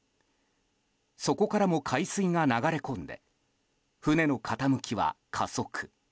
そこからも海水が流れ込んで船の傾きは加速。